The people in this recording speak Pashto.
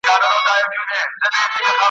ستا سي کلی شپو خوړلی `